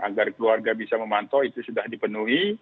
agar keluarga bisa memantau itu sudah dipenuhi